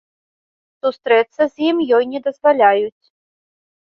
Сустрэцца з ім ёй не дазваляюць.